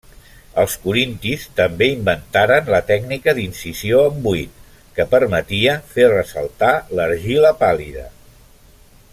Els corintis també inventaren la tècnica d'incisió en buit que permetia fer ressaltar l'argila pàl·lida.